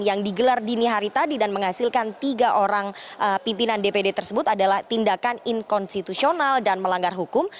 yang digelar dini hari tadi dan menghasilkan tiga orang pimpinan dpd tersebut adalah tindakan inkonstitusional dan melanggar hukum